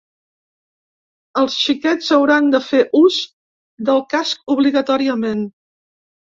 Els xiquets hauran de fer ús del casc obligatòriament.